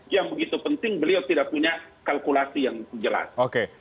yang begitu penting beliau tidak punya kalkulasi yang jelas